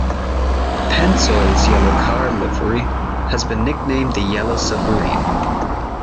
Pennzoil's yellow car livery has been nicknamed the "Yellow Submarine".